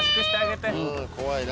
怖いな。